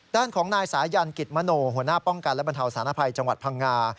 ด้านของนายสายันกิจมโนหัวหน้าป้องกันและบรรเทาสารภัยจังหวัดพังงา